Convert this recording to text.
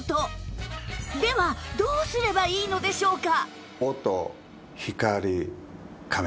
どうすればいいのでしょうか？